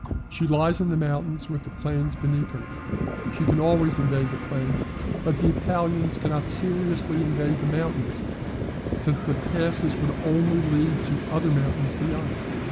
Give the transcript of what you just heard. She lies in the mountains with the plains beneath her. She can always invade the plain, but the Italians cannot seriously invade the mountains, since the passes would only lead to other mountains beyond.